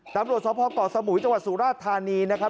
ตำรวจเฉพาะเกาะสมุยจังหวัดสุราษฎร์ธานีนะครับ